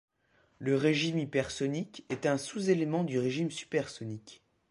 Le régime hypersonique est un sous-élément du régime supersonique.